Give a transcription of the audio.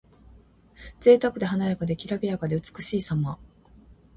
ぜいたくで華やかで、きらびやかで美しいさま。